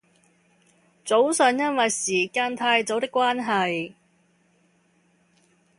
早上因為時間太早的關係